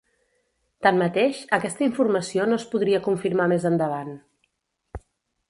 Tanmateix, aquesta informació no es podria confirmar més endavant.